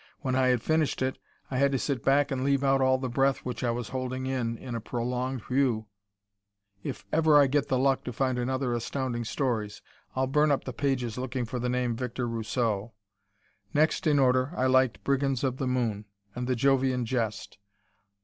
When I had finished it, I had to sit back and leave out all the breath which I was holding in in a prolonged "whew!" If ever I get the luck to find another Astounding Stories I'll burn up the pages looking for the name Victor Rousseau. Next in order I liked "Brigands of the Moon" and "The Jovian Jest."